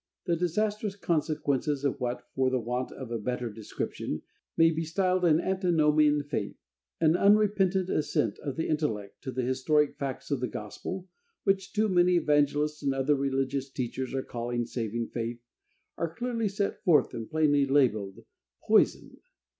The disastrous consequences of what, for the want of a better description, maybe styled an Antinomian faith, an unrepentant assent of the intellect to the historic facts of the Gospel, which too many evangelists and other religious teachers are calling saving faith, are clearly set forth and plainly labeled, POISON.